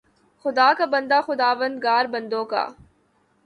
خدا کا بندہ، خداوندگار بندوں کا